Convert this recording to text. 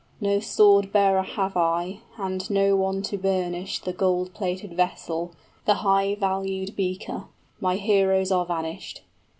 No sword bearer have I, And no one to burnish the gold plated vessel, The high valued beaker: my heroes are vanished.